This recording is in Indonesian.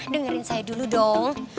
dengerin saya dulu dong